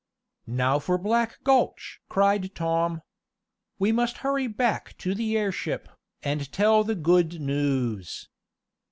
"Now for Black Gulch!" cried Tom. "We must hurry back to the airship, and tell the good news.